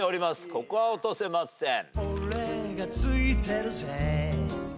ここは落とせません。